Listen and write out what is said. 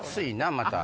また。